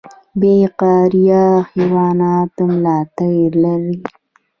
بې فقاریه حیوانات د ملا تیر نلري